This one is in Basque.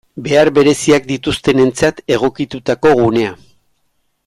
Behar bereziak dituztenentzat egokitutako gunea.